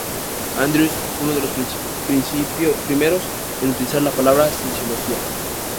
Andrews fue uno de los primeros en utilizar la palabra "cienciología".